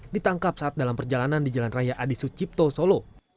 ditangkap saat dalam perjalanan di jalan raya adi sucipto solo